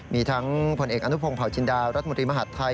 มีทั้งผลเอกอนุพงศ์เผาจินดารัฐมนตรีมหาดไทย